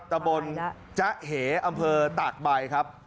ตะบนจ๊ะเหอำเภอตากใบครับ